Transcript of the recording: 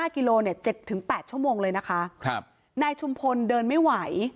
๕กิโล๗๘ชั่วโมงเลยนะคะนายชุมพลเดินไม่ไหว